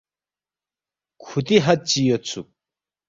کُھوتی حد چی یودسُوک